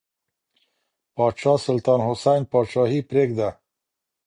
پاچا سلطان حسین پاچاهي پرېږده.